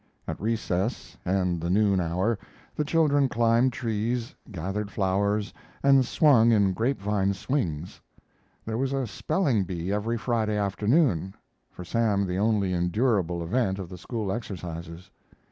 At recess and the noon hour the children climbed trees, gathered flowers, and swung in grape vine swings. There was a spelling bee every Friday afternoon, for Sam the only endurable event of the school exercises.